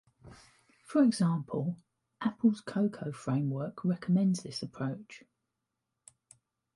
For example, Apple's Cocoa framework recommends this approach.